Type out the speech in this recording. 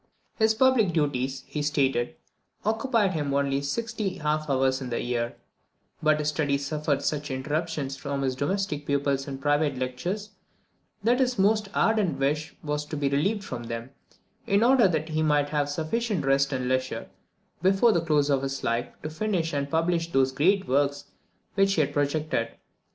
His public duties, he stated, occupied him only sixty half hours in the year; but his studies suffered such interruptions from his domestic pupils and private lectures, that his most ardent wish was to be relieved from them, in order that he might have sufficient rest and leisure, before the close of his life, to finish and publish those great works which he had projected.